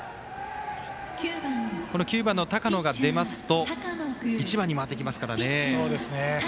この９番の高野が出ますと１番に回ってきますからね。